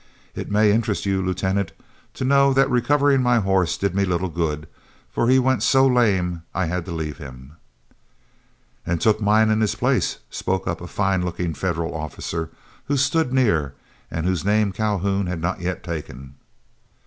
"It may interest you, Lieutenant, to know that recovering my horse did me little good, for he went so lame I had to leave him." "And took mine in his place," spoke up a fine looking Federal officer who stood near, and whose name Calhoun had not yet taken.